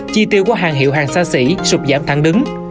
chi tiêu của hàng hiệu hàng xa xỉ sụp giảm thẳng đứng